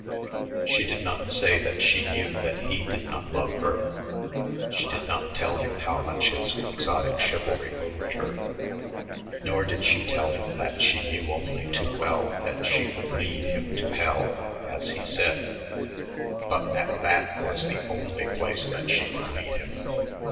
She did not say that she knew that he did not love her; she did not tell him how much his quixotic chivalry moved her. Nor did she tell him that she knew only too well that she could lead him to hell, as he said, but that that was the only place that she could lead him.